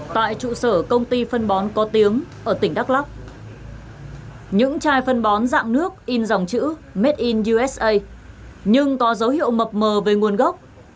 tại trụ sở công ty phân bón có tiếng ở tỉnh đắk lắc những chai phân bón dạng nước in dòng chữ made in usa nhưng có dấu hiệu mập mờ về nguồn gốc